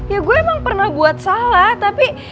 ya gue emang pernah buat salah tapi